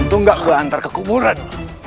untung gak gue hantar ke kuburan lo